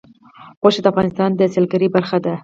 غوښې د افغانستان د سیلګرۍ برخه ده.